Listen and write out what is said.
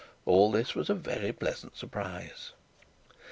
All this was a very pleasant surprise.